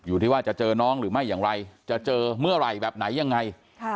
อยู่ที่ว่าจะเจอน้องหรือไม่อย่างไรจะเจอเมื่อไหร่แบบไหนยังไง